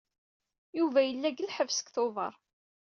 Yuba yella deg lḥebs seg Tubeṛ.